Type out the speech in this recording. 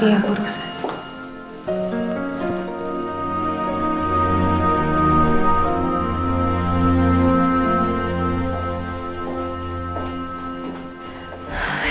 hati hati ya buruk buruk